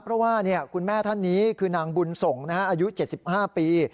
เพราะว่าเนี่ยคุณแม่ท่านนี้คือนางบุญส่งนะฮะอายุเจ็ดสิบห้าปี